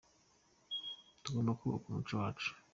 Tugomba kubaka umuco wacu.